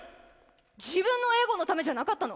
自分のエゴのためじゃなかったの？